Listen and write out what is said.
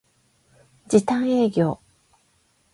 時短営業